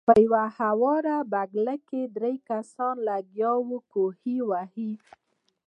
پۀ يوه هواره بګله کښې درې کسان لګيا دي کوهے وهي